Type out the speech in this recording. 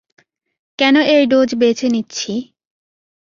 কেন এই ডোজ বেছে নিচ্ছি?